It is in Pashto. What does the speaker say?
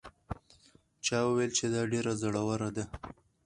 چا وویل چې دا ډېره زړه وره ده.